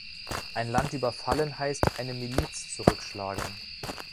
Ein Land überfallen, heißt "eine Miliz zurückschlagen".